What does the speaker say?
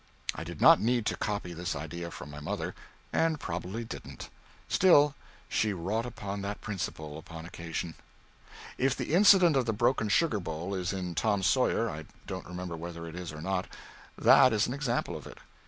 I did not need to copy this idea from my mother, and probably didn't. Still she wrought upon that principle upon occasion. If the incident of the broken sugar bowl is in "Tom Sawyer" I don't remember whether it is or not that is an example of it.